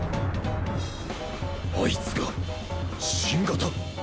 あいつが新型？